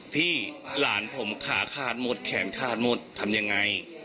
พี่หลานผมขาขาดหมดแขนขาดหมดทำยังไง